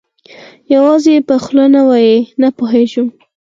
یوازې یې په خوله نه وایي، نه پوهېږم.